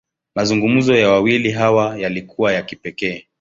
Mazungumzo ya wawili hawa, yalikuwa ya kipekee.